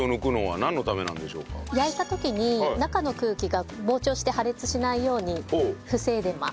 焼いた時に中の空気が膨張して破裂しないように防いでます。